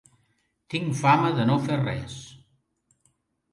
Tinc fama de no fer res.